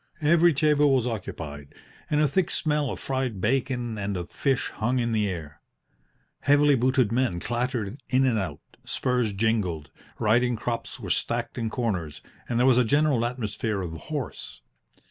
Every table was occupied, and a thick smell of fried bacon and of fish hung in the air. Heavily booted men clattered in and out, spurs jingled, riding crops were stacked in corners, and there was a general atmosphere of horse.